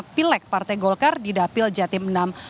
pileg partai golkar di dapil jatim enam